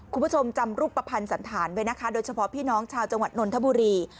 คุณผู้ชมจำรูปภัณฑ์สันธารไว้นะคะโดยเฉพาะพี่น้องชาวจังหวัดนนทบุรี